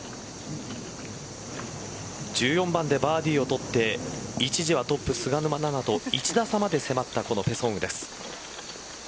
１４番でバーディーを取って一時はトップ菅沼菜々と１打差まで迫ったペ・ソンウです。